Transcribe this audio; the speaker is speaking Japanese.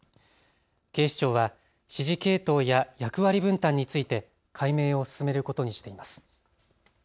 警視庁は指示系統や役割分担について解明を進めることにしています。